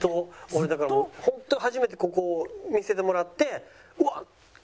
俺だからホント初めてここ見せてもらって。